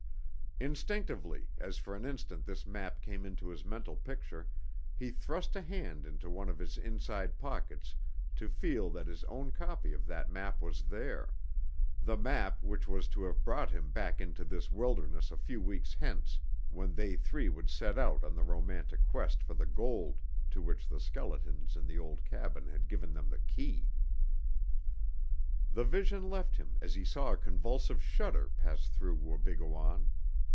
Instinctively, as for an instant this map came into his mental picture, he thrust a hand into one of his inside pockets to feel that his own copy of that map was there, the map which was to have brought him back into this wilderness a few weeks hence, when they three would set out on the romantic quest for the gold to which the skeletons in the old cabin had given them the key. The vision left him as he saw a convulsive shudder pass through Wabigoon.